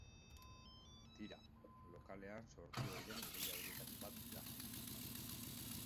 Tira, lokalean sortu ohi den ideia horietako bat da.